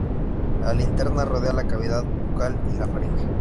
La linterna rodea la cavidad bucal y la faringe.